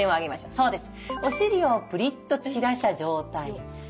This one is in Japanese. そうですね。